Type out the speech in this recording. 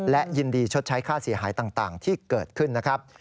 และยินดีชดใช้ค่าเสียหายต่างที่เกิดขึ้นนะครับ